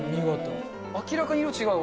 明らかに色違うわ。